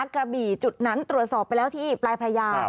กระบี่จุดนั้นตรวจสอบไปแล้วที่ปลายพระยา